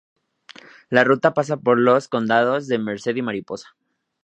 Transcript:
La ruta pasa por los condados de Merced y Mariposa.